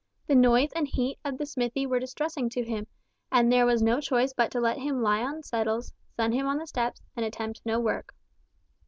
The noise and heat of the smithy were distressing to him, and there was no choice but to let him lie on settles, sun himself on the steps, and attempt no work.